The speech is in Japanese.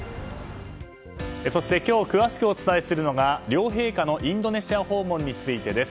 そして今日詳しくお伝えするのが両陛下のインドネシア訪問についてです。